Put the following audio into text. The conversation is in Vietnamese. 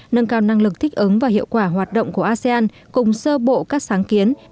nâng cao năng lực thích ứng và hiệu quả hoạt động của asean cùng sơ bộ các sáng kiến